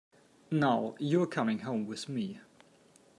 Now, you’re coming home with me.